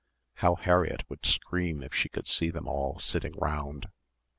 How Harriett would scream if she could see them all sitting round.